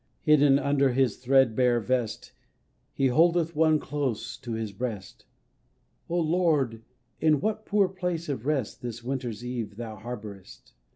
Hidden under his threadbare vest He holdeth One close to his breast ;" O Lord, in what poor place of rest This winter's eve thou harbourest